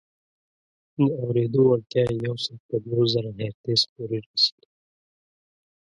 د اورېدو وړتیا یې یو سل پنځوس زره هرتز پورې رسي.